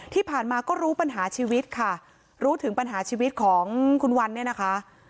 ที่ผ่านมาก็รู้ปัญหาชีวิตค่ะรู้ถึงปัญหาชีวิตของคุณวันเนี่ยนะคะ